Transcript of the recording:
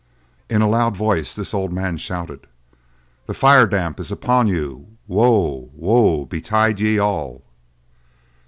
In a loud voice this old man shouted, "The fire damp is upon you! Woe—woe betide ye all!"